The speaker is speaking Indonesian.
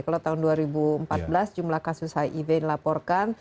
kalau tahun dua ribu empat belas jumlah kasus hiv dilaporkan